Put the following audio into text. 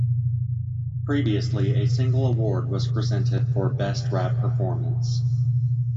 Previously a single award was presented for Best Rap Performance.